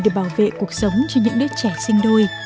để bảo vệ cuộc sống cho những đứa trẻ sinh đôi